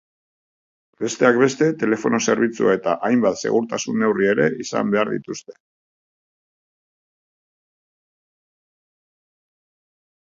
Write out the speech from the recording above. Besteak beste, telefono zerbitzua eta hainbat segurtasun neurri ere izan behar dituzte.